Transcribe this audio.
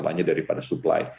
masalahnya daripada supply